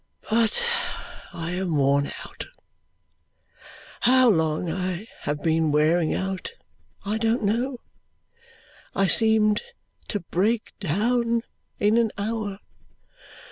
But I am worn out. How long I have been wearing out, I don't know; I seemed to break down in an hour.